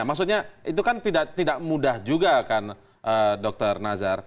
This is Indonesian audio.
maksudnya itu kan tidak mudah juga kan dokter nazar